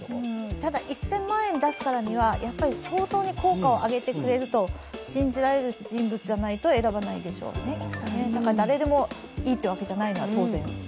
ただ１０００万円出すからには、相当に効果を上げてくれると信じられる人物でないと選ばないでしょうね、誰でもいいというわけじゃないのは当然。